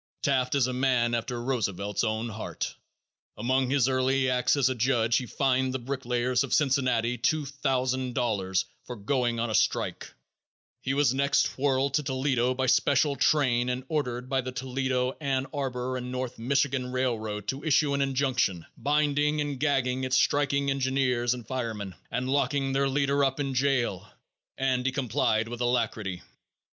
Taft is a man after Roosevelt's own heart. Among his early acts as a judge he fined the bricklayers of Cincinnati two thousand dollars for going on a strike; he was next whirled to Toledo by special train and ordered by the Toledo, Ann Arbor and North Michigan railroad to issue an injunction binding and gagging its striking engineers and firemen and locking their leader up in jail and he complied with alacrity.